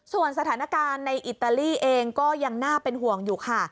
ส่วนสถานการณ์ในอิตาลีเองก็ยังน่าเป็นห่วงอยู่ค่ะ